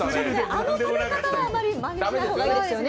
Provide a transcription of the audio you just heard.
あの食べ方はまねしない方がいいですよね。